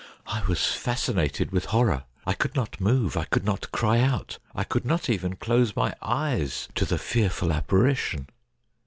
I was fascinated with horror. I could not move, I could not cry out, I could not even close my eyes to the fearful apparition.